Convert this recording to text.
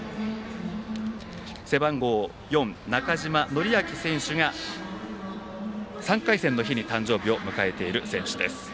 背番号４、中島紀明選手が３回戦の日に誕生日を迎えている選手です。